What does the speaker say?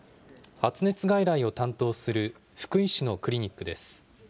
発熱外来を担当する福井市のクリニックです。